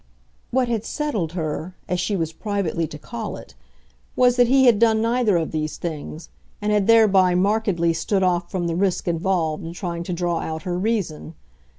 What had "settled" her, as she was privately to call it, was that he had done neither of these things, and had thereby markedly stood off from the risk involved in trying to draw out her reason.